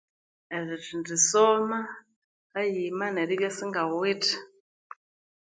Erithendi soma hayima neribya isingawithe